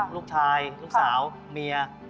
ลูกสาวลูกสาวเมีย